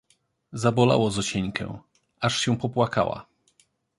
Zabolało Zosieńkę, aż się popłakała